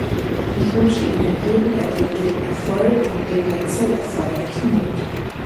Ich wünsche Ihnen jeden erdenklichen Erfolg und den dazu erforderlichen Mut.